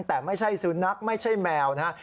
แต่ไม่ใช่สุนัขไม่ใช่แมวนะครับ